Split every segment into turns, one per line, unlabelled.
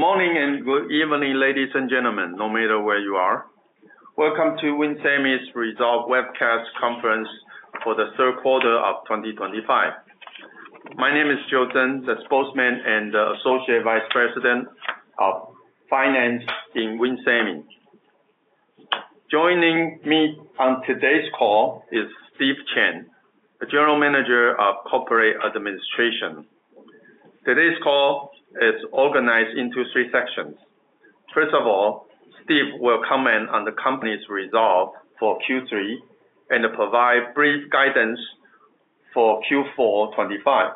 Good morning and good evening, ladies and gentlemen, no matter where you are. Welcome to WIN Semi's resolve webcast conference for the third quarter of 2025. My name is Joe Tsen, the Spokesman and the Associate Vice President of Finance in WIN Semi. Joining me on today's call is Steve Chen, the General Manager of Corporate Administration. Today's call is organized into three sections. First of all, Steve will comment on the company's results for Q3 and provide brief guidance for Q4 2025.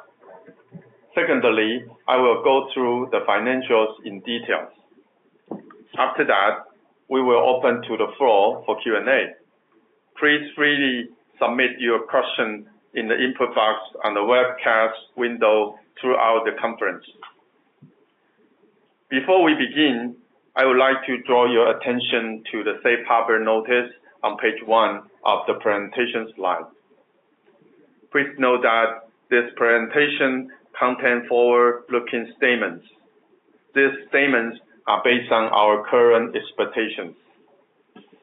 Secondly, I will go through the financials in detail. After that, we will open the floor for Q&A. Please freely submit your questions in the input box on the webcast window throughout the conference. Before we begin, I would like to draw your attention to the safe harbor notice on page one of the presentation slide. Please note that this presentation contains forward-looking statements. These statements are based on our current expectations.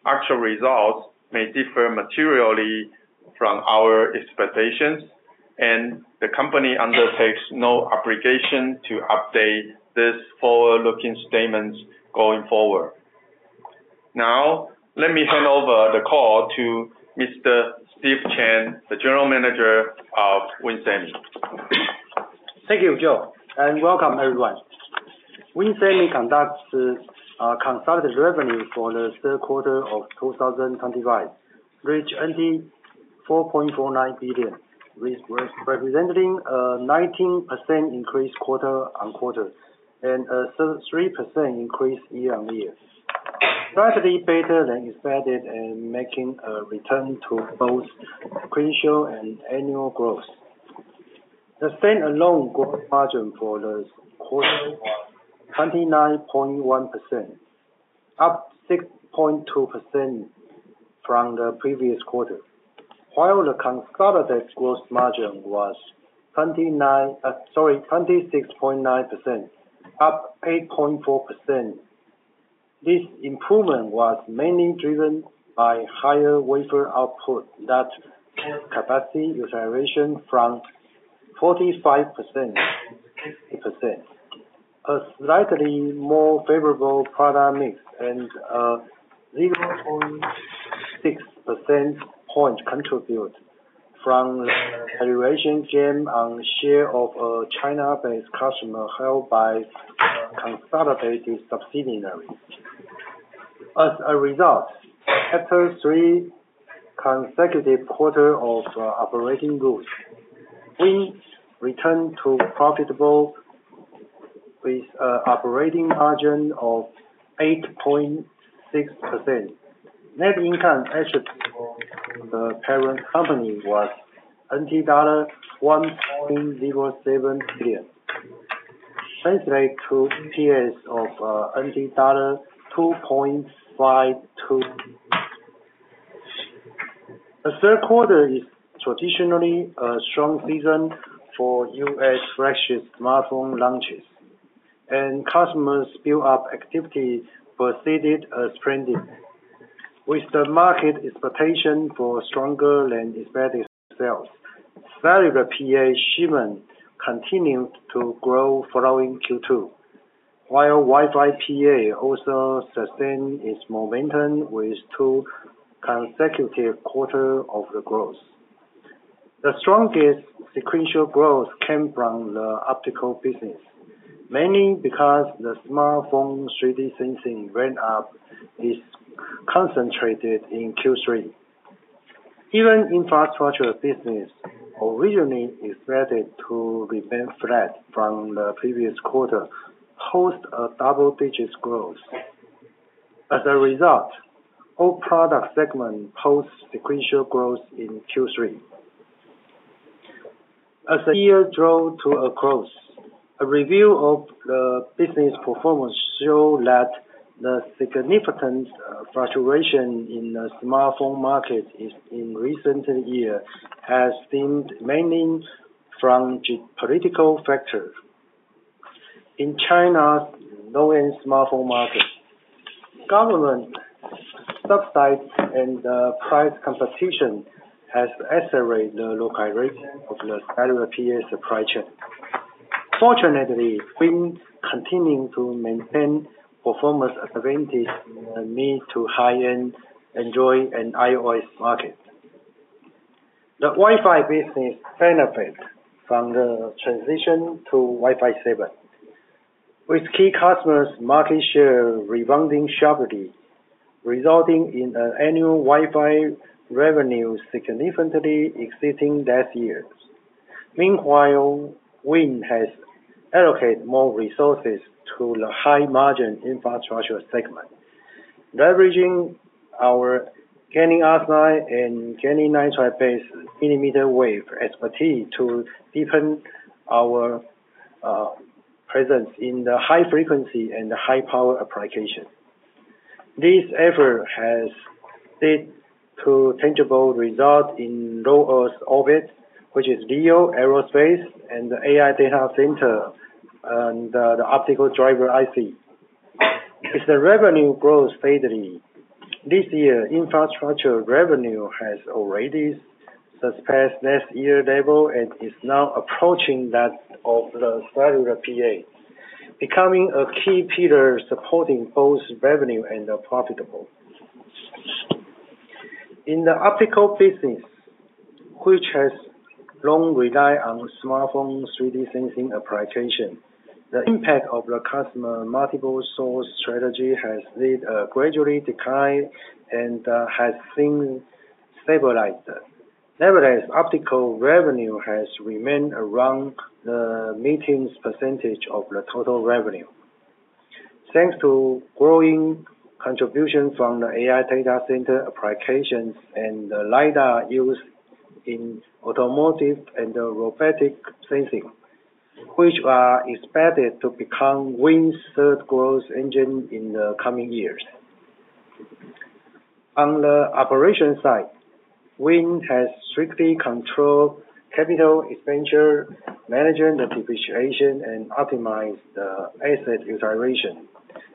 Actual results may differ materially from our expectations, and the company undertakes no obligation to update these forward-looking statements going forward. Now, let me hand over the call to Mr. Steve Chen, the General Manager of WIN Semi.
Thank you, Joe, and welcome, everyone. WIN Semi conducts a consultative review for the third quarter of 2025, reaching TWS 24.49 billion, representing a 19% increase quarter-on-quarter and a 3% increase year-on-year. Slightly better than expected and making a return to both quintile and annual growth. The stand-alone gross margin for this quarter was 29.1%, up 6.2% from the previous quarter, while the consolidated gross margin was 26.9%, up 8.4%. This improvement was mainly driven by higher wafer output that kept capacity utilization from 45% to 50%, a slightly more favorable product mix, and a 0.6% point contribution from the valuation gain on the share of a China-based customer held by a consolidated subsidiary. As a result, after three consecutive quarters of operating growth, WIN returned to profitability with an operating margin of 8.6%. Net income attributable to the parent company was TWS 21.07 billion, translated to EPS of TWS 22.52. The third quarter is traditionally a strong season for U.S. flagship smartphone launches, and customer spin-off activities preceded spending, with the market expectations for stronger than expected sales. Value-per-PA shipment continued to grow following Q2, while Wi-Fi PA also sustained its momentum with two consecutive quarters of growth. The strongest sequential growth came from the optical business, mainly because the smartphone 3D sensing went up, is concentrated in Q3. Even the infrastructure business, originally expected to remain flat from the previous quarter, posted a double-digit growth. As a result, all product segments posted sequential growth in Q3. As the year drove to a close, a review of the business performance showed that the significant fluctuation in the smartphone market in recent years has been mainly from geopolitical factors. In China's low-end smartphone market, government subsidies and the price competition have accelerated the localization of the value-per-PA supply chain. Fortunately, WIN continues to maintain a performance advantage in the mid-to-high-end Android and iOS markets. The Wi-Fi business benefits from the transition to Wi-Fi 7, with key customers' market share rebounding sharply, resulting in an annual Wi-Fi revenue significantly exceeding last year. Meanwhile, WIN has allocated more resources to the high-margin infrastructure segment, leveraging our gallium arsenide and gallium nitride-based millimeter wave expertise to deepen our presence in the high-frequency and high-power applications. This effort has led to tangible results in low-Earth orbit, which is real aerospace and the AI Data Center and the optical driver IC. As the revenue grows steadily, this year's infrastructure revenue has already surpassed last year's level and is now approaching that of the value-per-pay, becoming a key pillar supporting both revenue and profitability. In the optical business, which has long relied on smartphone 3D sensing applications, the impact of the customer multiple source strategy has led to a gradual decline and has since stabilized. Nevertheless, optical revenue has remained around the meeting's % of the total revenue, thanks to growing contributions from the AI data center applications and the LiDAR use in automotive and robotic sensing, which are expected to become WIN's third growth engine in the coming years. On the operations side, WIN has strictly controlled capital expenditure, managed the depreciation, and optimized the asset utilization,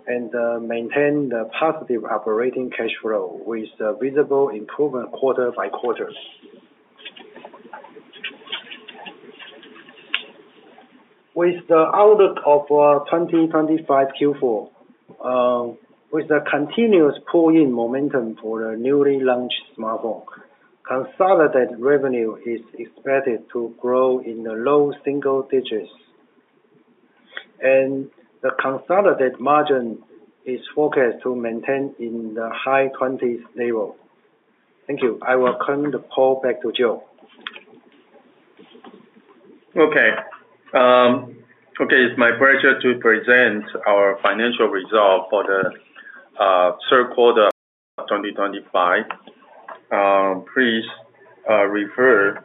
and maintained a positive operating cash flow with a visible improvement quarter by quarter. With the outlook for 2025 Q4, with the continuous pull-in momentum for the newly launched smartphone, consolidated revenue is expected to grow in the low single digits, and the consolidated margin is forecast to maintain in the high 20s level. Thank you. I will turn the call back to Joe.
Okay. Okay. It's my pleasure to present our financial results for the third quarter of 2025. Please refer to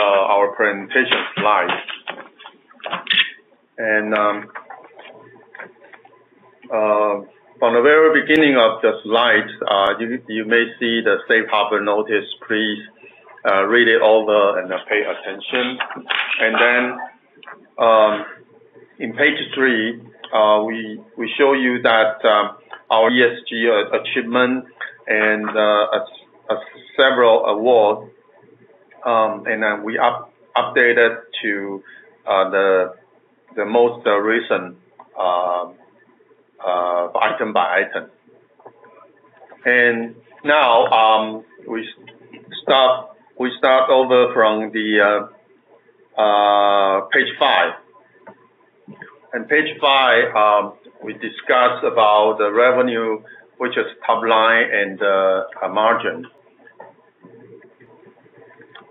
our presentation slides. From the very beginning of the slides, you may see the safe harbor notice. Please read it over and pay attention. In page three, we show you our ESG achievements and several awards, and we update it to the most recent item by item. Now we start over from page 5. In page 5, we discuss the revenue, which is top line, and the margin.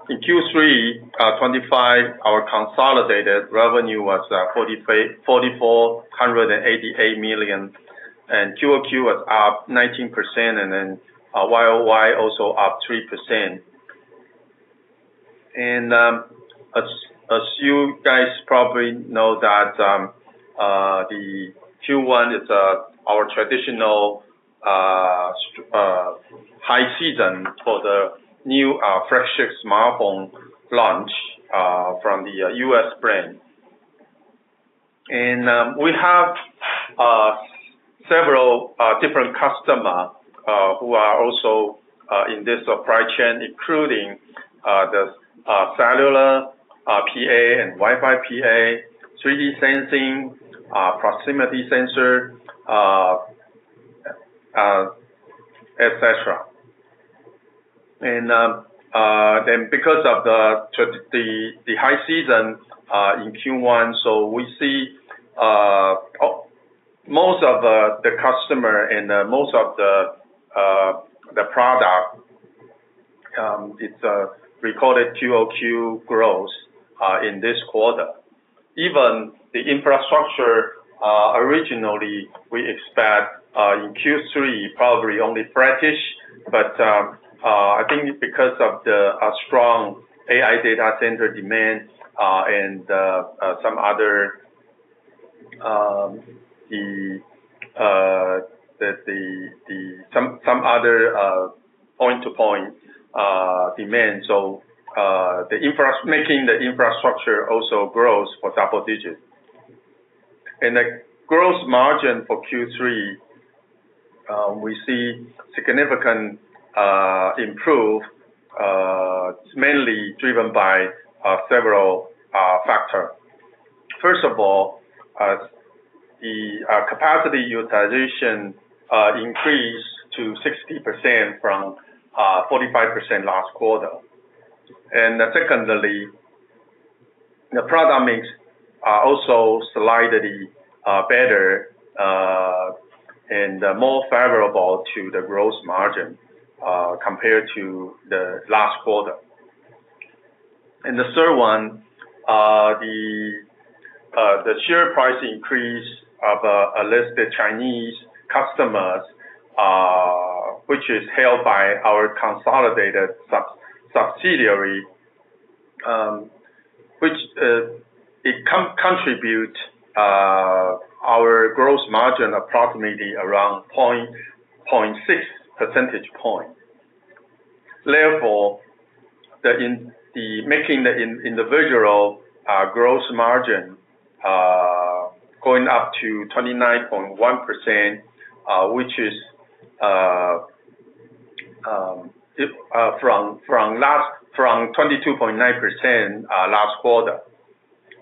In Q3 2025, our consolidated revenue was TWS 4,488 million, and QoQ was up 19%, and YoY also up 3%. As you guys probably know, Q1 is our traditional high season for the new flagship smartphone launch from the U.S. brand. We have several different customers who are also in this supply chain, including the cellular PA and Wi-Fi PA, 3D sensing, proximity sensor, etc. Because of the high season in Q1, we see most of the customers and most of the products recorded QoQ growth in this quarter. Even the infrastructure, originally, we expect in Q3 probably only flat-ish, but I think because of the strong AI data center demand and some other point-to-point demand, making the infrastructure also grows for double digits. The gross margin for Q3, we see significantly improve, mainly driven by several factors. First of all, the capacity utilization increased to 60% from 45% last quarter. Secondly, the product mix is also slightly better and more favorable to the gross margin compared to the last quarter. The third one, the share price increase of a list of Chinese customers, which is held by our consolidated subsidiary, which contributes our gross margin approximately around 0.6 percentage point. Therefore, making the individual gross margin going up to 29.1%, which is from 22.9% last quarter.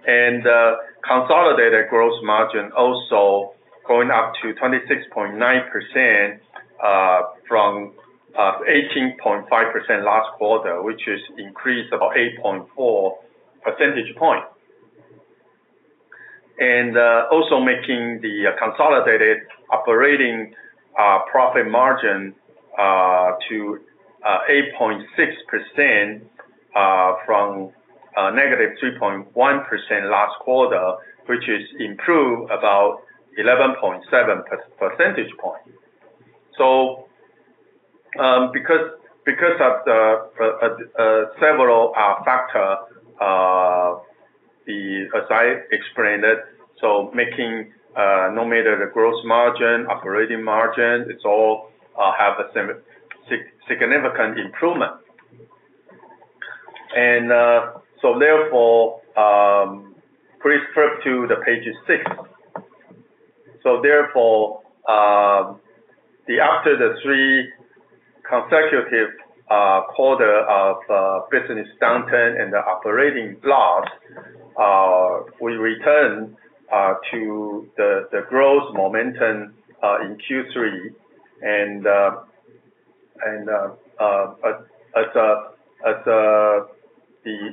The consolidated gross margin also going up to 26.9% from 18.5% last quarter, which is increased about 8.4 percentage point. Also making the consolidated operating profit margin to 8.6% from -3.1% last quarter, which is improved about 11.7 percentage point. Because of the several factors, as I explained, making no matter the gross margin, operating margin, it all has a significant improvement. Therefore, please flip to page six. After the three consecutive quarters of business downturn and the operating loss, we return to the growth momentum in Q3. As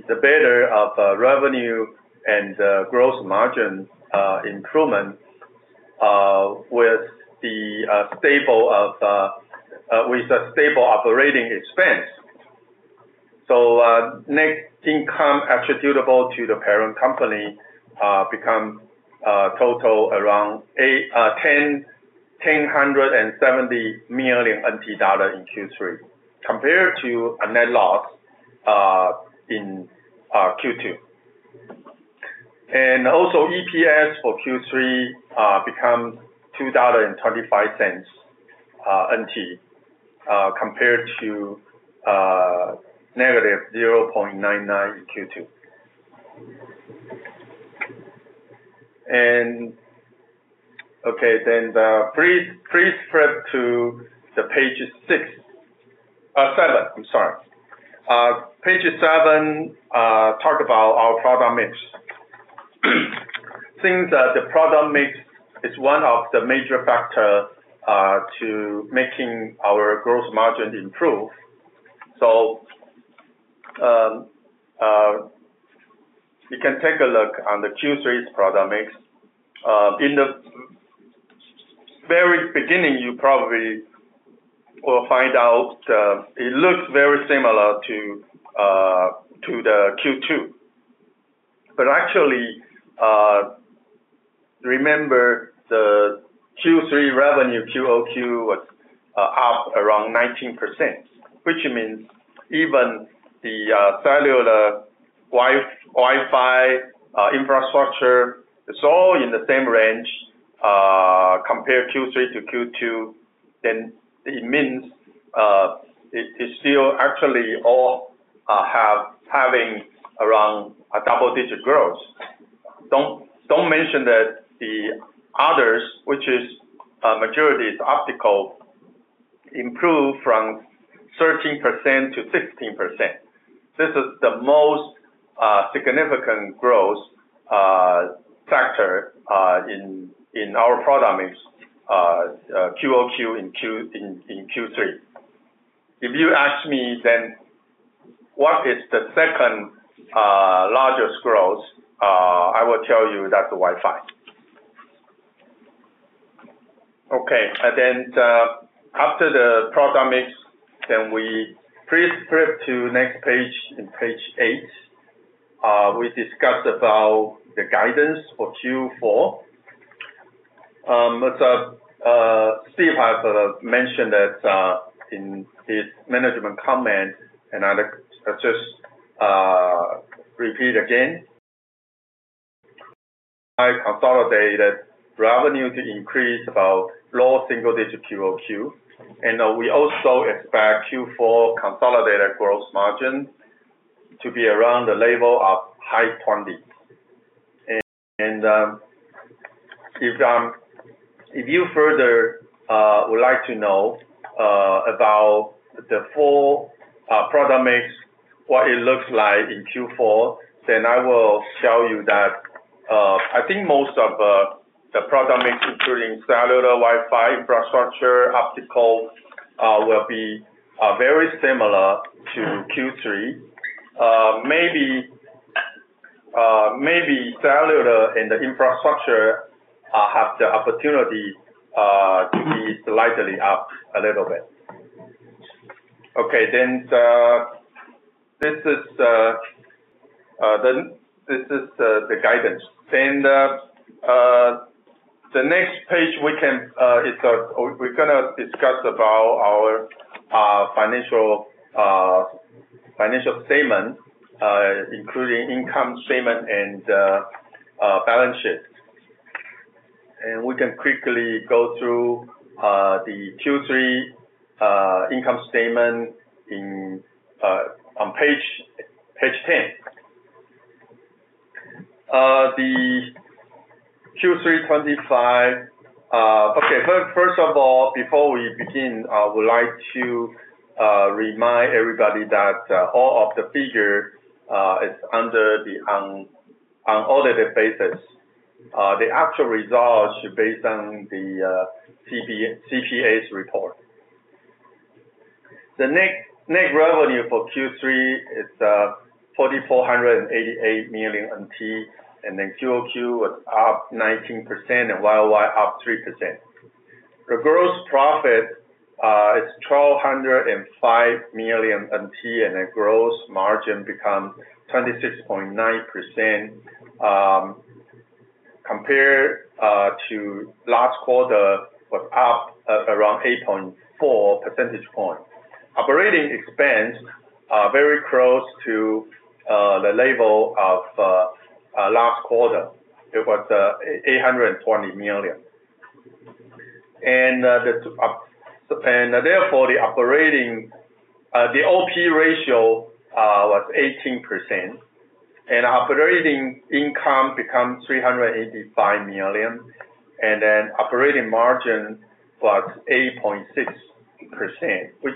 the better of revenue and the gross margin improvement with the stable operating expense, net income attributable to the parent company becomes total around TWS 1,970 million in Q3 compared to a net loss in Q2. EPS for Q3 becomes TWS 2.25 compared to TWS -0.99 in Q2. Please flip to page six. Or seven, I'm sorry. Page seven talks about our product mix. Since the product mix is one of the major factors to making our gross margin improve, you can take a look on the Q3's product mix. In the very beginning, you probably will find out it looks very similar to Q2. Actually, remember the Q3 revenue QoQ was up around 19%, which means even the cellular, Wi-Fi, infrastructure is all in the same range compared to Q3 to Q2. It means it's still actually all having around a double-digit growth. Don't mention that the others, which is a majority is optical, improved from 13% to 15%. This is the most significant growth factor in our product mix, QoQ in Q3. If you ask me what is the second largest growth, I will tell you that's the Wi-Fi. After the product mix, please flip to the next page, page 8. We discuss the guidance for Q4. As Steve had mentioned in his management comment, I'll just repeat again, consolidated revenue to increase about low single-digit QoQ. We also expect Q4 consolidated gross margin to be around the level of high 20s. If you further would like to know about the full product mix, what it looks like in Q4, I will tell you that I think most of the product mix, including cellular, Wi-Fi, infrastructure, optical, will be very similar to Q3. Maybe cellular and the infrastructure have the opportunity to be slightly up a little bit. This is the guidance. The next page, we are going to discuss our financial statements, including income statement and balance sheet. We can quickly go through the Q3 income statement on page 10. The Q3 2025, first of all, before we begin, I would like to remind everybody that all of the figures are under the unaudited basis. The actual results are based on the CPA's report. The net revenue for Q3 is TWS 4,488 million, and QoQ was up 19% and YoY up 3%. The gross profit is TWS 1,205 million, and the gross margin becomes 26.9% compared to last quarter, was up around 8.4 percentage point. Operating expense is very close to the level of last quarter. It was TWS 820 million. Therefore, the operating OP ratio was 18%, and operating income becomes TWS 385 million. The operating margin was 8.6%, which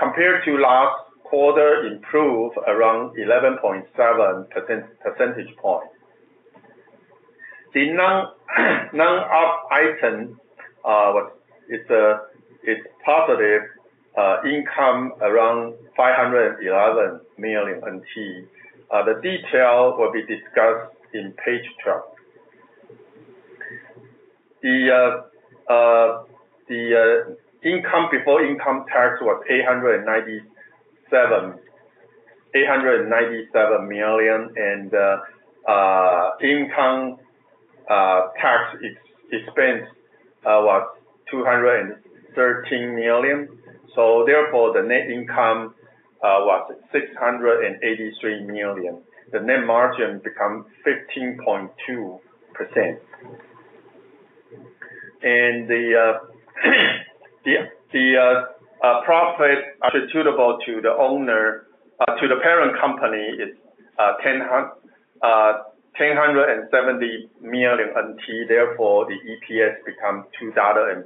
compared to last quarter improved around 11.7 percentage points. The non-op item is positive income around TWS 511 million. The detail will be discussed in page 12. The income before income tax was TWS 897 million, and income tax expense was TWS 213 million. Therefore, the net income was TWS 683 million. The net margin becomes 15.2%. The profit attributable to the owner, to the parent company, is TWS 1,970 million. Therefore, the EPS becomes TWS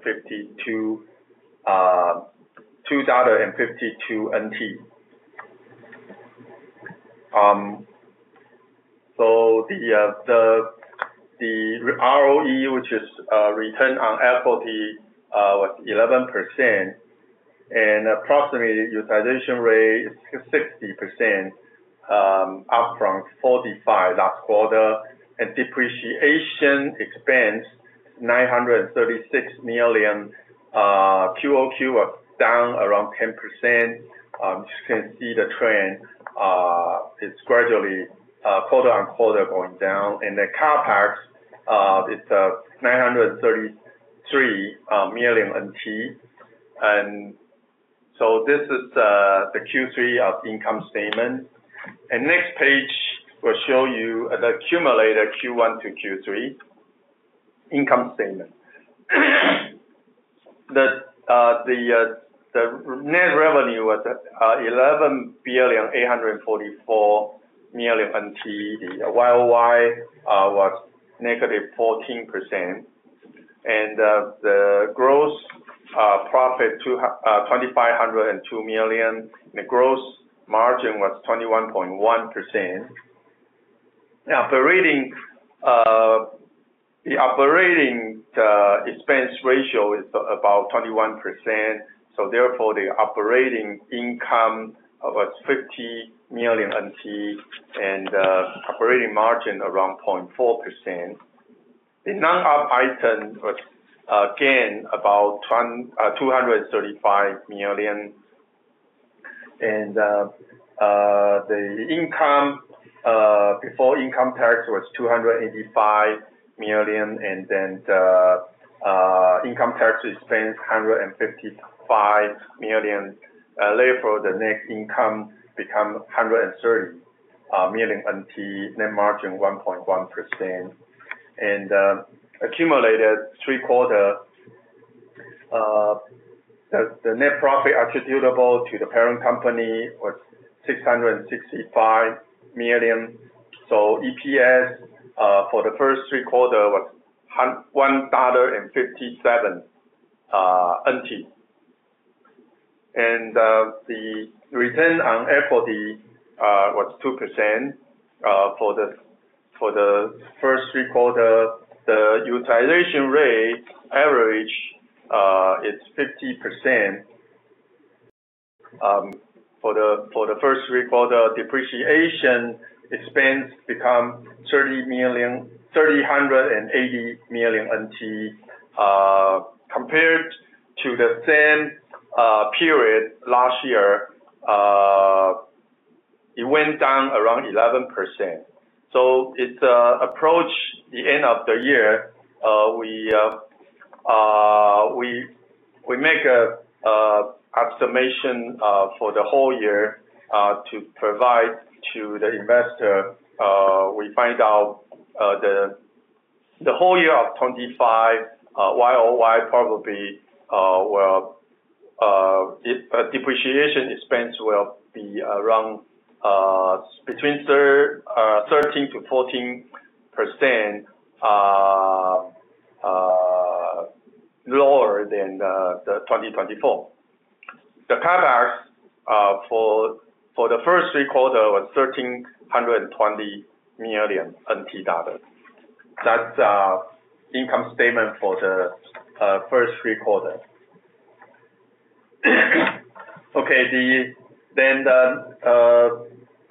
2.52. The ROE, which is return on equity, was 11%. Approximately the utilization rate is 60%, up from 45% last quarter. Depreciation expense is TWS 936 million. QoQ was down around 10%. You can see the trend is gradually quarter on quarter going down. The CapEx is TWS 933 million NT. This is the Q3 income statement. The next page will show you the accumulated Q1 to Q3 income statement. The net revenue was TWS 11,844 million. The YoY was -14%. The gross profit was TWS 2,502 million, and the gross margin was 21.1%. The operating expense ratio is about 21%. Therefore, the operating income was TWS 50 million and the operating margin around 0.4%. The non-op item was again about TWS 235 million. The income before income tax was TWS 285 million, and the income tax expense TWS 155 million. Therefore, the net income becomes TWS 130 million net margin 1.1%. The accumulated three quarters, the net profit attributable to the parent company was TWS 665 million. EPS for the first three quarters was TWS 1.57. The return on equity was 2% for the first three quarters. The utilization rate average is 50%. For the first three quarters, depreciation expense becomes TWS 380 million. Compared to the same period last year, it went down around 11%. As it approaches the end of the year, we make an estimation for the whole year to provide to the investor. We find out the whole year of 2025, YoY probably will depreciation expense will be around between 13% to 14% lower than 2024. The CapEx for the first three quarters was TWS 1,320 million. That's the income statement for the first three quarters.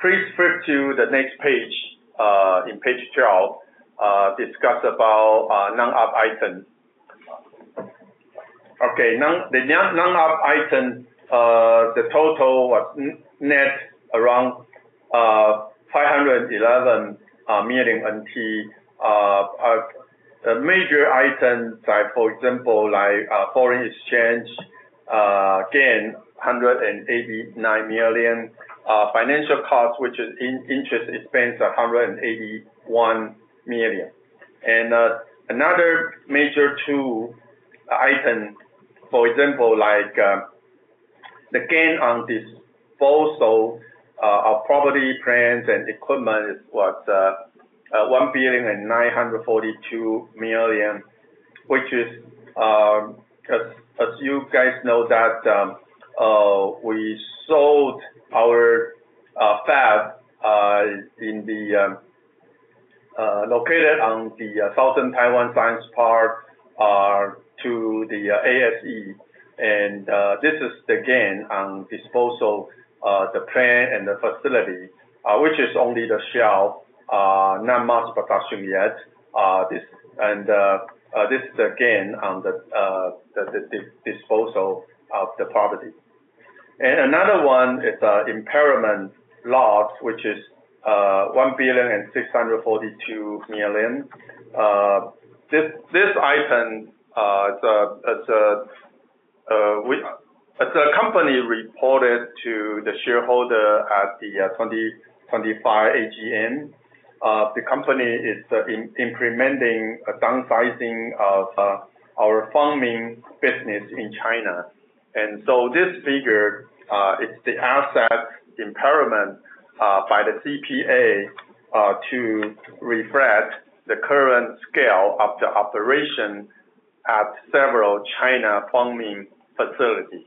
Please flip to the next page, page 12, to discuss non-op items. The non-op items, the total was net around TWS 511 million. The major items are, for example, like foreign exchange gain TWS 189 million. Financial costs, which is interest expense, are TWS 181 million. Another major two items, for example, like the gain on disposal of property, plants, and equipment was TWS 1,942 million, which is, as you guys know, that we sold our fab located in the Southern Taiwan Science Park to ASE. This is the gain on disposal of the plant and the facility, which is only the shell, not mass production yet. This is the gain on the disposal of the property. Another one is the impairment loss, which is TWS 1,642 million. This item, it's a company reported to the shareholder at the 2025 AGM. The company is implementing a downsizing of our foundry business in China. This figure is the asset impairment by the CPA to refresh the current scale of the operation at several China foundry facilities.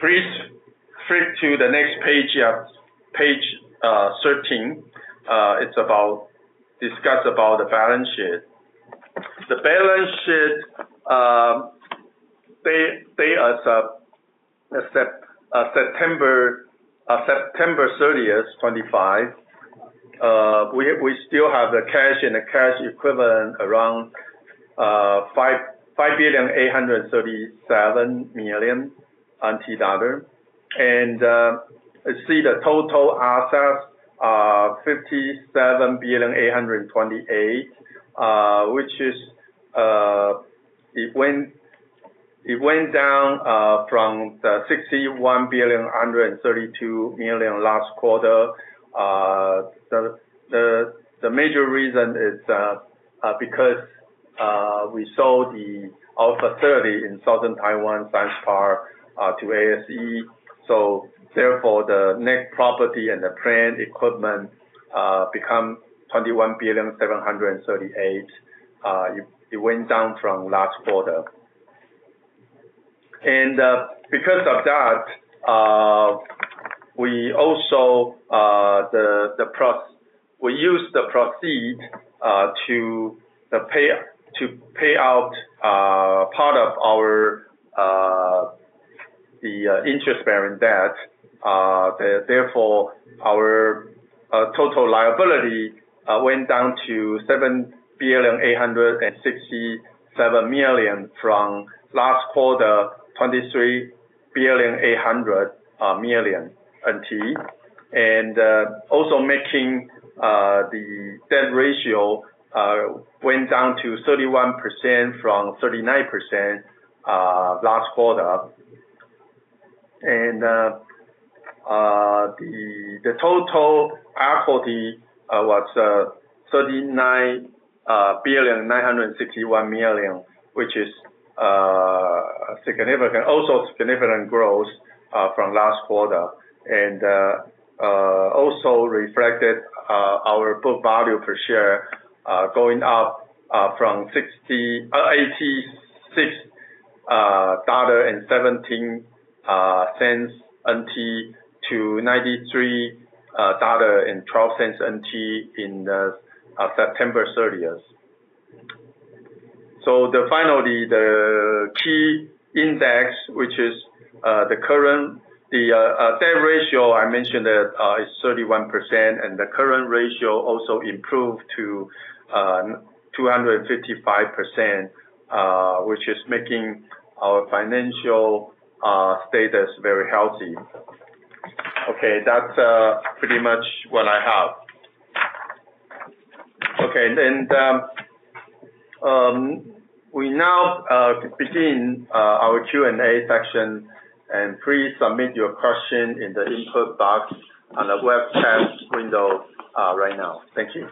Please flip to the next page, page 13. It's about the balance sheet. The balance sheet date is September 30, 2025. We still have the cash and the cash equivalent around TWS 5,837 million. I see the total assets are TWS 57,828 million, which went down from the TWS 61,132 million last quarter. The major reason is because we sold the Alpha 30 in Southern Taiwan Science Park to ASE. Therefore, the net property and plant equipment becomes TWS 21,738 million. It went down from last quarter. Because of that, we also used the proceeds to pay out part of our interest-bearing debt. Therefore, our total liability went down to TWS 7,867 million from last quarter, TWS 23,800 million. This also made the debt ratio go down to 31% from 39% last quarter. The total equity was TWS 39,961 million, which is also significant growth from last quarter. This also reflected our book value per share going up from TWS 86.17 to TWS 93.12 on September 30th. Finally, the key index, which is the current debt ratio, I mentioned that it's 31%. The current ratio also improved to 255%, which is making our financial status very healthy. That's pretty much what I have. We now begin our Q&A section. Please submit your question in the input box on the webcast window right now. Thank you.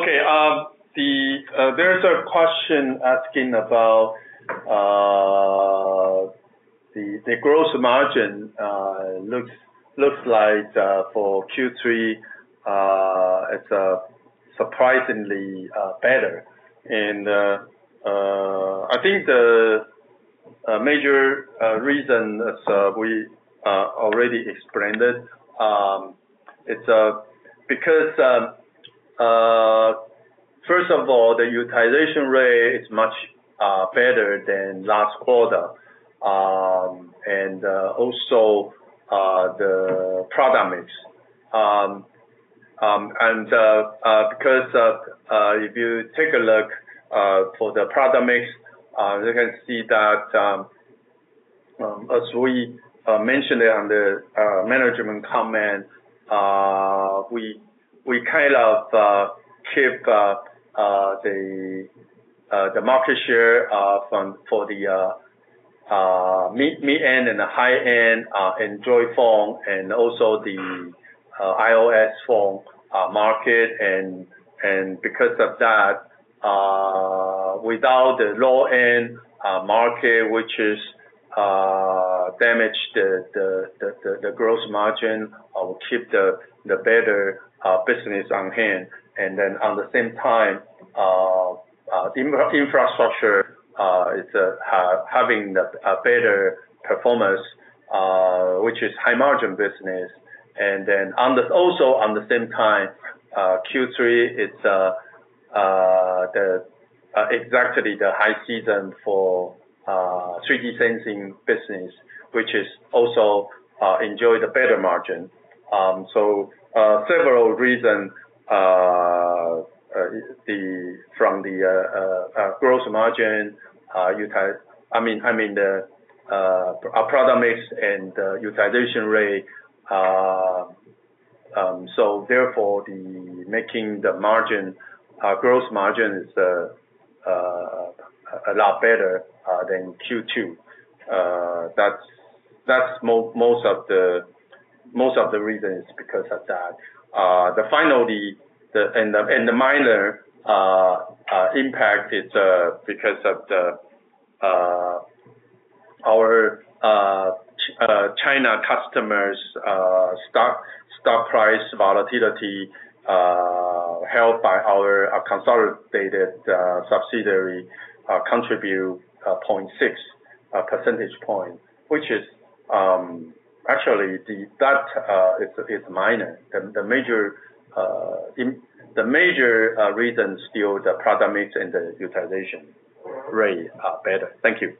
Okay. There is a question asking about the gross margin. It looks like for Q3, it's surprisingly better. I think the major reason, as we already explained, is because, first of all, the utilization rate is much better than last quarter, and also the product mix. If you take a look for the product mix, you can see that, as we mentioned it on the management comment, we kind of keep the market share for the mid-end and the high-end Android phone and also the iOS phone market. Because of that, without the low-end market, which is damaged the gross margin, we keep the better business on hand. At the same time, the infrastructure is having a better performance, which is high-margin business. Also, at the same time, Q3 is exactly the high season for 3D sensing business, which is also enjoying the better margin. Several reasons from the gross margin, I mean the product mix and the utilization rate. Therefore, making the gross margin is a lot better than Q2. That's most of the reasons because of that. The minor impact is because of our China customers' stock price volatility held by our consolidated subsidiary contribute 0.6% point, which is actually that is minor. The major reason is still the product mix and the utilization rate are better. Thank you.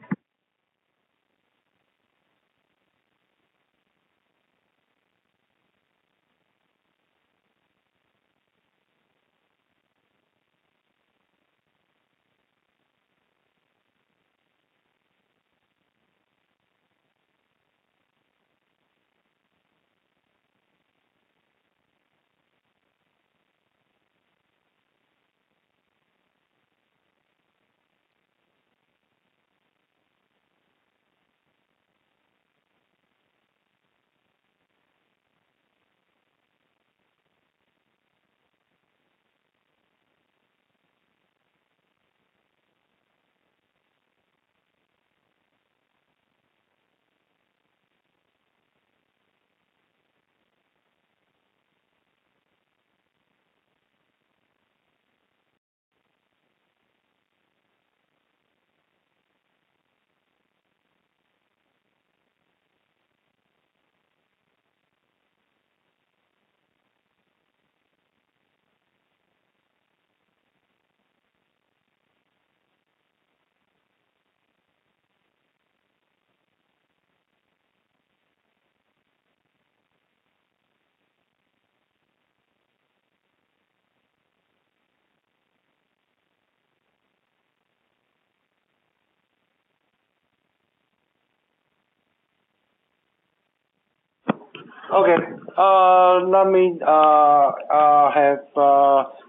Okay. Let me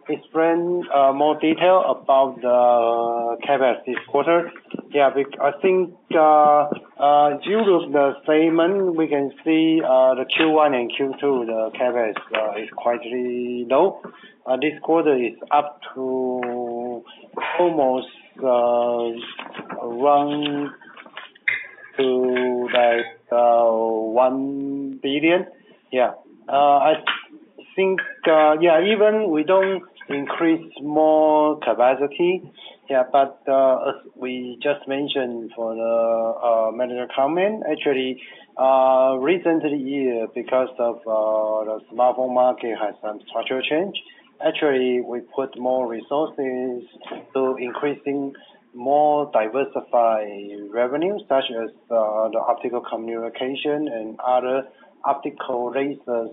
explain more detail about the CapEx this quarter. I think, due to the statement, we can see the Q1 and Q2, the CapEx is quite low. This quarter is up to almost around TWS 1 billion. I think, even if we don't increase more capacity, as we just mentioned for the manager comment, actually, recently here because the smartphone market has some structural change, we put more resources to increasing more diversified revenue, such as the optical communication and other optical laser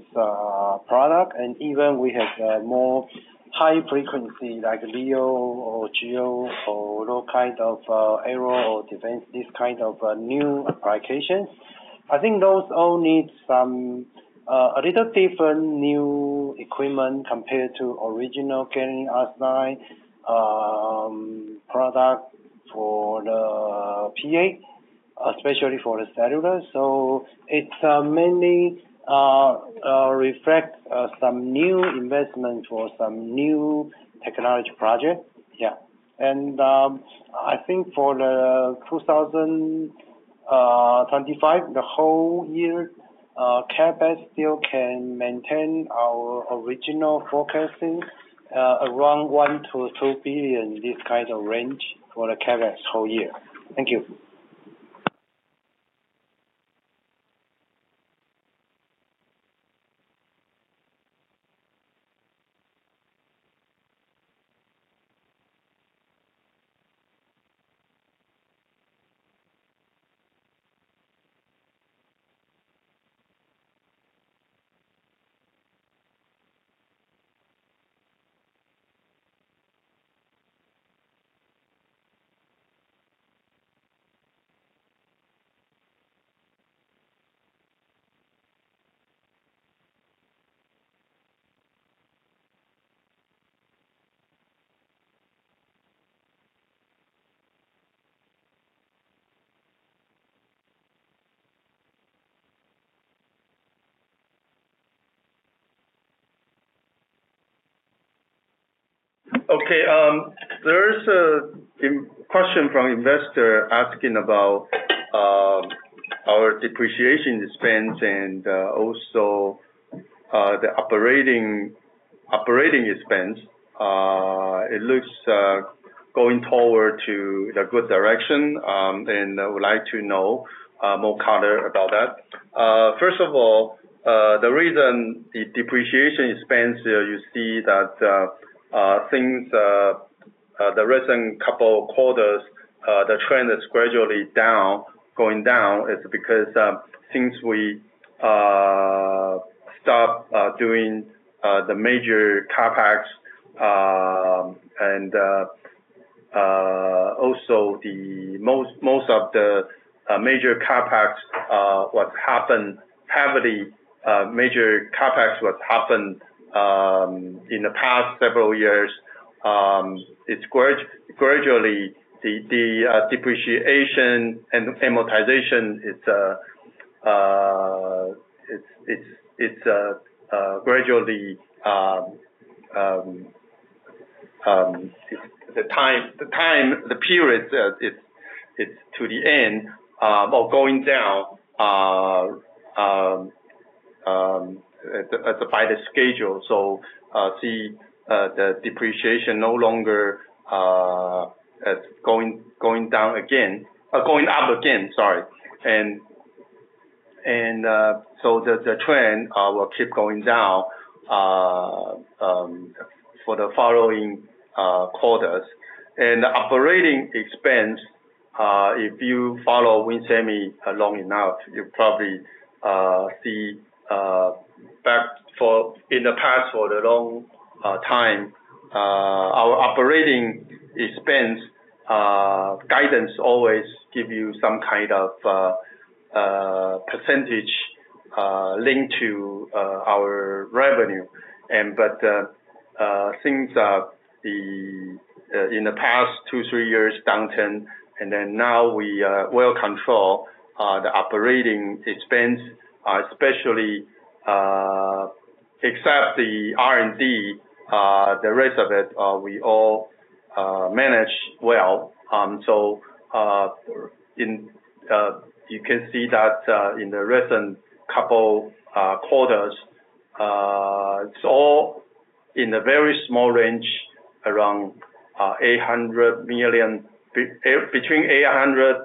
products. Even we have more high-frequency like LEO or GEO or those kinds of aero or defense, these kinds of new applications. I think those all need some different new equipment compared to original gallium arsenide product for the PA, especially for the cellular. It mainly reflects some new investment for some new technology projects. I think for 2025, the whole year, CapEx still can maintain our original forecasting, around TWS 1 billion-TWS 2 billion, this kind of range for the CapEx whole year. Thank you.
Okay. There is a question from an investor asking about our depreciation expense and also the operating expense. It looks going toward a good direction, and I would like to know more color about that. First of all, the reason the depreciation expense, you see that since the recent couple of quarters, the trend is gradually going down. It's because since we stopped doing the major CapEx and also most of the major CapEx was happened heavily, major CapEx was happened in the past several years. It's gradually the depreciation and amortization is gradually the time, the period is to the end or going down by the schedule. You see the depreciation no longer is going down again, going up again, sorry. The trend will keep going down for the following quarters. The operating expense, if you follow WIN Semi long enough, you probably see back in the past for the long time, our operating expense guidance always gives you some kind of percentage linked to our revenue. Since in the past two, three years downturn, and then now we well control the operating expense, especially except the R&D, the rest of it we all manage well. You can see that in the recent couple of quarters, it's all in a very small range around between TWS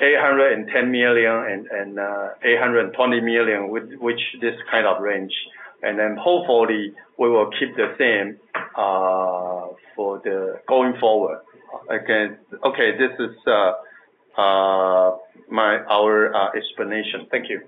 810 million and TWS 820 million, which is this kind of range. Hopefully, we will keep the same going forward. Okay. This is our explanation. Thank you.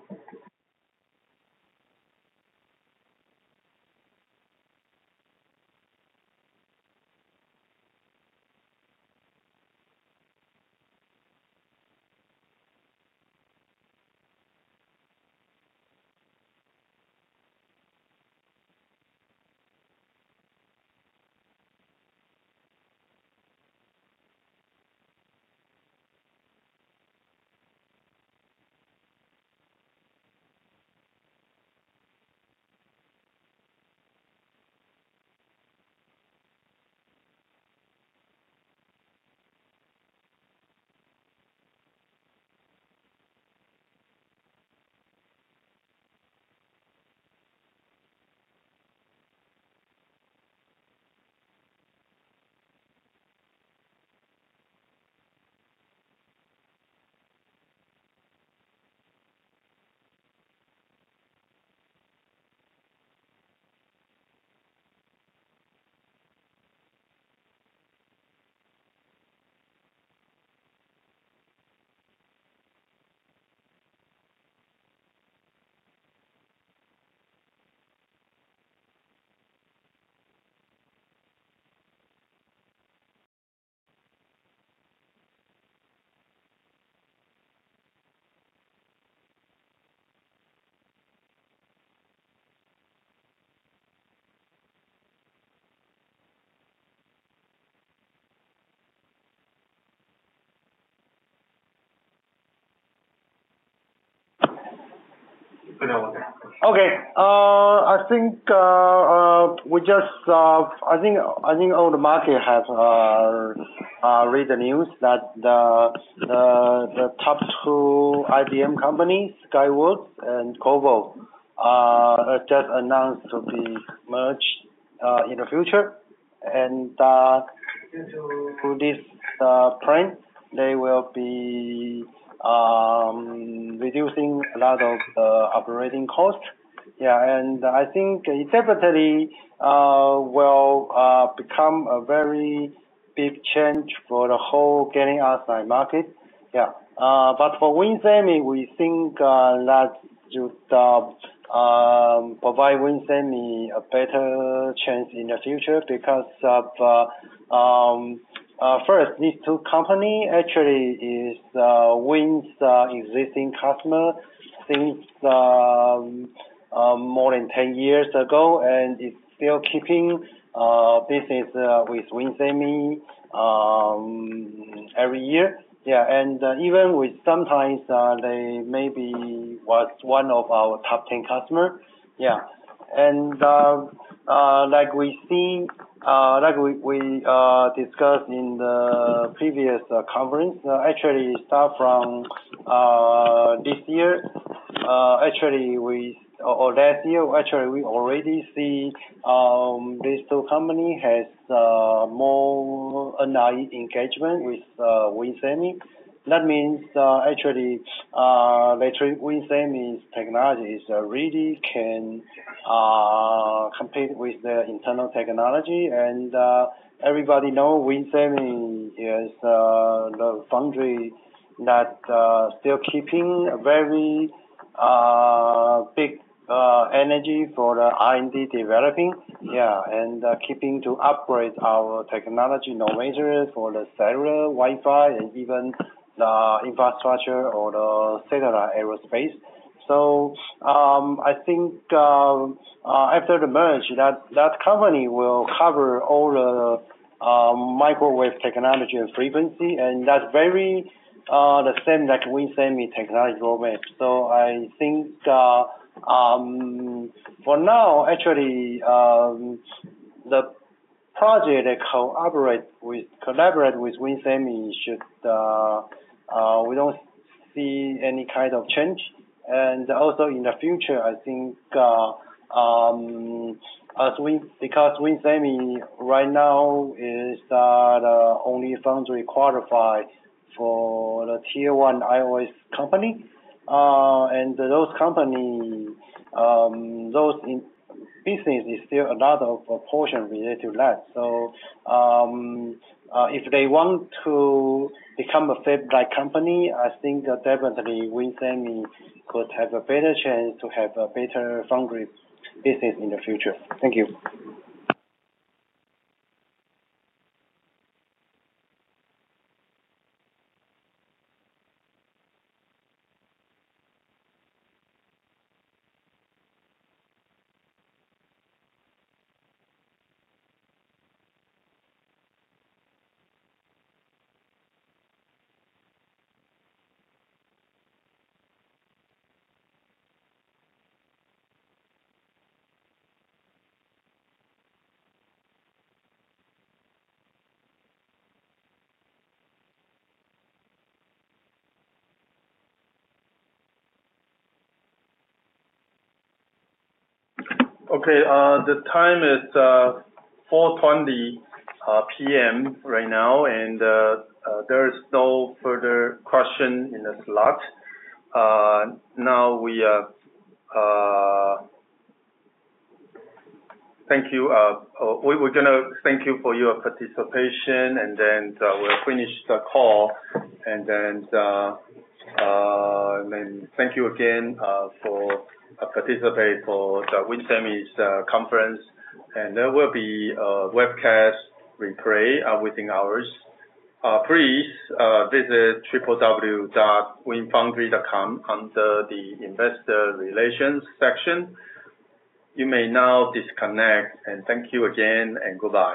Okay. I think all the market has read the news that the top two RF companies, Skyworks and Qorvo, just announced to be merged in the future. For this point, they will be reducing a lot of the operating costs. I think it definitely will become a very big change for the whole GaAs market. For WIN Semi, we think that it provides WIN Semi a better chance in the future because, first, these two companies actually are WIN's existing customers since more than 10 years ago, and are still keeping business with WIN Semi every year. Even sometimes they may be one of our top 10 customers. Like we discussed in the previous coverings, actually starting from this year, or last year, we already see these two companies have more allied engagement with WIN Semi. That means WIN Semi's technologies really can compete with their internal technology. Everybody knows WIN Semi is the foundry that is still keeping a very big energy for the R&D developing and keeping to upgrade our technology innovator for the cellular, Wi-Fi, and even the infrastructure or the cellular aerospace. I think after the merge, that company will cover all the microwave technology and frequency. That's very the same like WIN Semi technology roadmap. I think for now, the project that collaborates with WIN Semi should, we don't see any kind of change. Also in the future, I think because WIN Semi right now is the only foundry qualified for the Tier 1 iOS company, and those companies, those businesses still have a lot of portion related to that. If they want to become a fab-lite company, I think definitely WIN Semi could have a better chance to have a better foundry business in the future. Thank you.
Okay. The time is 4:20 P.M. right now. There is no further question in the slot. Thank you. We're going to thank you for your participation. We'll finish the call. Thank you again for participating for the WIN Semi's conference. There will be a webcast replay within hours. Please visit www.winfoundry.com under the investor relations section. You may now disconnect. Thank you again, and goodbye.